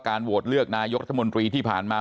โหวตเลือกนายกรัฐมนตรีที่ผ่านมา